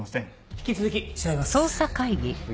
引き続き調べます。